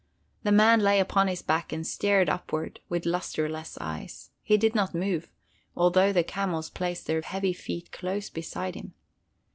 The man lay upon his back and stared upward with lusterless eyes. He did not move, although the camels placed their heavy feet close beside him.